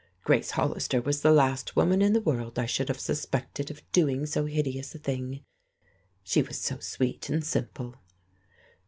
Grace Hollister was the last woman in the world I should have suspected of doing so hideous a thing. She was so sweet and simple."